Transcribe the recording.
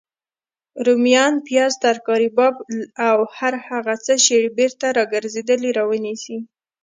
روميان، پیاز، ترکاري باب او هر هغه څه چی بیرته راګرځیدلي راونیسئ